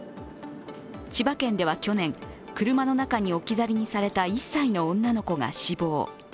千葉県では去年、車の中に置き去りにされた１歳の女の子が死亡。